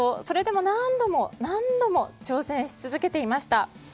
それでも何度も何度も挑戦し続けていました。